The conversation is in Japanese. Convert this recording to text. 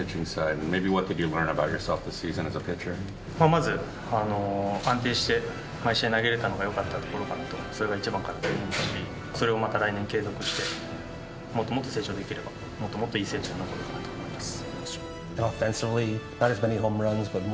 まず安定して、毎試合投げれたのがよかったところかなと、それが一番かなと思いますし、それをまた来年継続して、もっともっと成長できれば、もっともっといい選手になれるかなと思います。